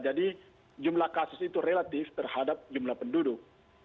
jadi jumlah kasus itu relatif terhadap jumlah penduduk